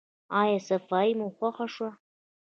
ایا صفايي مو خوښه شوه؟